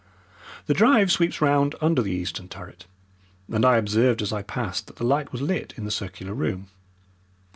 The drive sweeps round under the eastern turret, and I observed as I passed that the light was lit in the circular room.